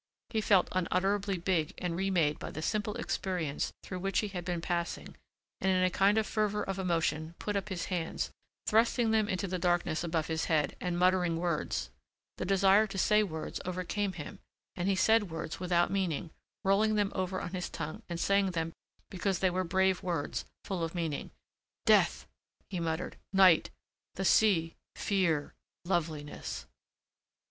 He felt unutterably big and remade by the simple experience through which he had been passing and in a kind of fervor of emotion put up his hands, thrusting them into the darkness above his head and muttering words. The desire to say words overcame him and he said words without meaning, rolling them over on his tongue and saying them because they were brave words, full of meaning. "Death," he muttered, "night, the sea, fear, loveliness."